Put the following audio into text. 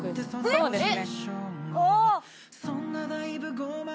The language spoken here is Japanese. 「そうですね」